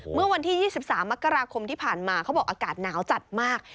เมื่อวันที่๒๓มกราคมที่ผ่านมาเขาบอกอากาศหนาวจัดมาก